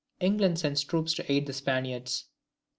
England sends troops to aid the Spaniards.